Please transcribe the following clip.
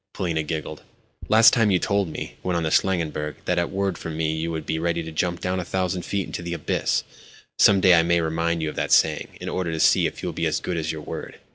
Polina giggled. "Last time you told me—when on the Shlangenberg—that at a word from me you would be ready to jump down a thousand feet into the abyss. Some day I may remind you of that saying, in order to see if you will be as good as your word.